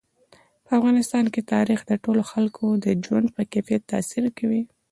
په افغانستان کې تاریخ د ټولو خلکو د ژوند په کیفیت تاثیر کوي.